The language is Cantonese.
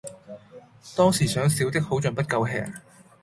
當時想小的好像不夠吃